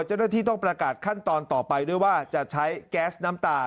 เจ้าหน้าที่ต้องประกาศขั้นตอนต่อไปด้วยว่าจะใช้แก๊สน้ำตา